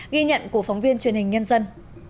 ghi nhận của phóng viên truyền hình nhân dân